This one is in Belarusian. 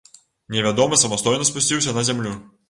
Невядомы самастойна спусціўся на зямлю.